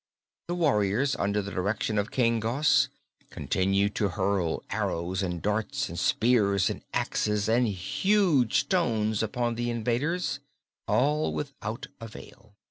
The warriors, under the direction of King Gos, continued to hurl arrows and darts and spears and axes and huge stones upon the invaders, all without avail.